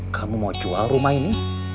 kamu mau jual rumah ini